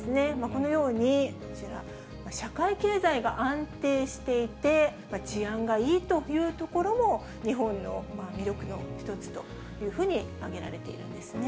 このように、こちら、社会経済が安定していて、治安がいいというところも、日本の魅力の一つというふうに挙げられているんですね。